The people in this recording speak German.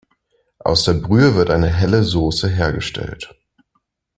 Aus der Brühe wird eine helle Sauce hergestellt.